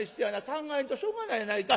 考えんとしょうがないやないか。